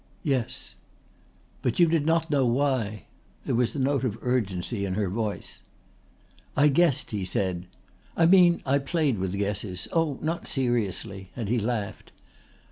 "Yes." "But you did not know why?" There was a note of urgency in her voice. "I guessed," he said. "I mean I played with guesses oh not seriously," and he laughed.